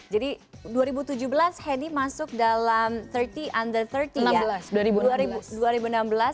jadi dua ribu tujuh belas henny masuk dalam tiga puluh under tiga puluh ya